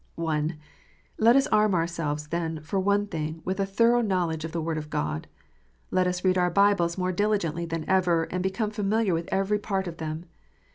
(1) Let us arm ourselves, then, for one thing, with a thorough knowledge of the Word of God. Let us read our Bibles more diligently than ever, and become familiar with every part of them.